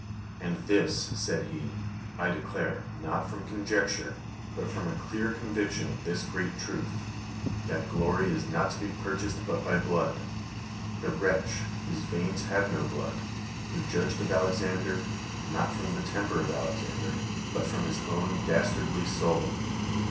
"And this," said he, "I declare, not from conjecture, but from a clear conviction of Ibis great ti'ulh, that glory is not to be purchased but by blood"; 1hi> wretch! whose veins ha\'e no blotul; who judiird of Alexander, not from the t^inpej of Alexander. but from his own dastardly soul.